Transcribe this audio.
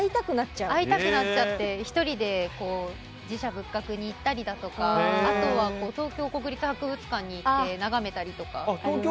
会いたくなっちゃって１人で寺社仏閣に行ったりだとかあとは東京国立博物館に行って眺めたりとか。